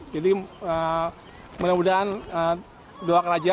jadi mudah mudahan doakan raja